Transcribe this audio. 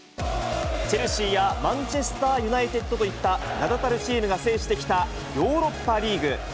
チェルシーやマンチェスター・ユナイテッドといった名だたるチームが制してきたヨーロッパリーグ。